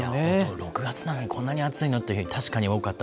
６月なのにこんなに暑いのっていう日、確かに多かった。